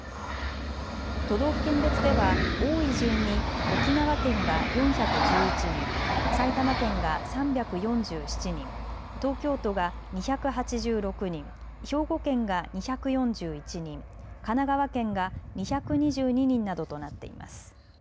都道府県別では多い順に沖縄県が４１１人、埼玉県が３４７人、東京都が２８６人、兵庫県が２４１人、神奈川県が２２２人などとなっています。